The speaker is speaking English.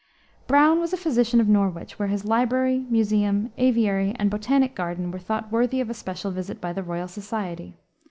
Browne was a physician of Norwich, where his library, museum, aviary, and botanic garden were thought worthy of a special visit by the Royal Society.